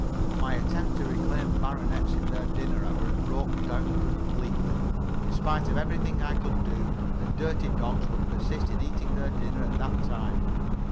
My attempt to reclaim baronets in their dinner hour had broken down completely; in spite of everything I could do, the dirty dogs would persist in eating their dinner at that time.